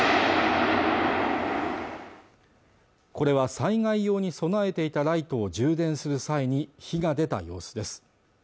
これは災害用に備えていたライトを充電する際に火が出た様子です